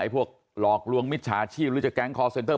ไอ้พวกหลอกลวงมิตรชาชีพให้รีจาแก๊งคอลเซนเตอร์